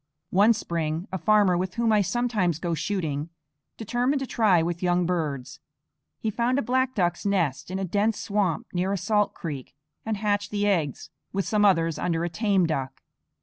One spring a farmer, with whom I sometimes go shooting, determined to try with young birds. He found a black duck's nest in a dense swamp near a salt creek, and hatched the eggs with some others under a tame duck.